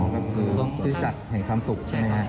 อ๋อก็คือชิสตจักรแห่งความสุขใช่ไหมครับ